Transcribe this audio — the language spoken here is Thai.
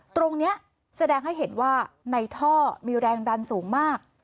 ตรงนี้แสดงให้เห็นว่าในท่อมีแรงดันสูงมาก